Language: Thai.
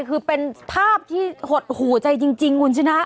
คือเป็นภาพที่หดหูใจจริงคุณชนะ